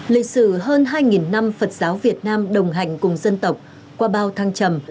lịch sử hơn hai năm phật giáo việt nam đồng hành cùng dân tộc qua bao thăng trầm